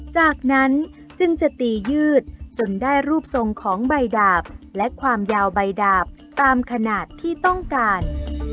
จากนั้นจึงจะตียืดจนได้รูปทรงของใบดาบและความยาวใบดาบตามขนาดที่ต้องการ